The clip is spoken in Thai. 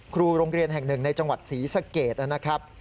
ครูโรงเรียนแห่งหนึ่งในจังหวัดศรีสะเกดนะครับ